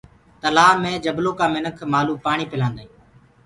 تلآه مي جبلو ڪآ مِنک مآلو ڪوُ پآڻي پِلآندآ هينٚ۔